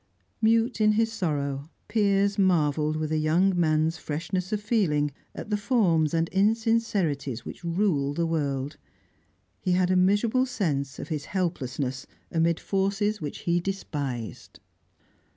Mute in his sorrow, Piers marvelled with a young man's freshness of feeling at the forms and insincerities which rule the world. He had a miserable sense of his helplessness amid forces which he despised.